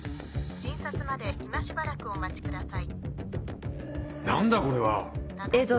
診察まで今しばらくお待ちください。